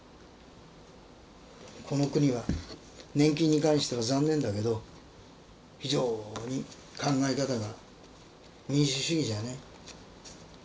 この国は年金に関しては残念だけど非常に考え方が民主主義じゃない。